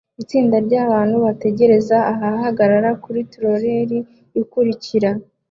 Itsinda ryabantu bategereza ahagarara kuri trolley ikurikira